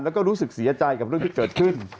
แล้วก็รู้สึกเสียใจกับเรื่องที่เกิดขึ้น